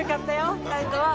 ２人とも！